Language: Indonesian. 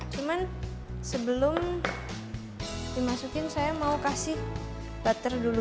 cuman sebelum dimasukin saya mau kasih butter dulu